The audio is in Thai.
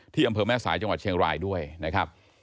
อำเภอแม่สายจังหวัดเชียงรายด้วยนะครับ